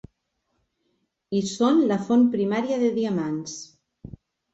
I són la font primària de diamants.